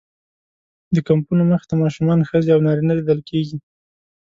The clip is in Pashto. د کمپونو مخې ته ماشومان، ښځې او نارینه لیدل کېږي.